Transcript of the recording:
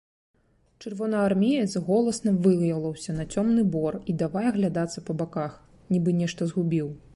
Чырвонаармеец голасна вылаяўся на цёмны бор і давай аглядацца па баках, нібы нешта згубіў.